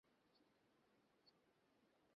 যদি সাহস থাকে তো।